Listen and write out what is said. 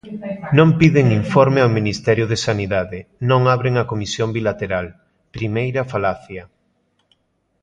Non piden informe ao Ministerio de Sanidade, non abren a Comisión Bilateral, primeira falacia.